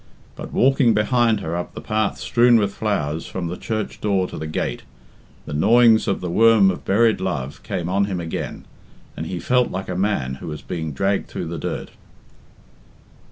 But walking behind her up the path strewn with flowers from the church door to the gate, the gnawings of the worm of buried love came on him again, and he felt like a man who was being dragged through the dirt.